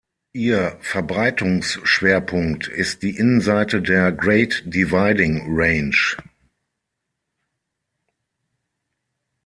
Ihr Verbreitungsschwerpunkt ist die Innenseite der Great Dividing Range.